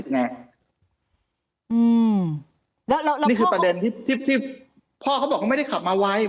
นี่คือประเด็นที่พ่อเขาบอกว่าไม่ได้ขับมาไว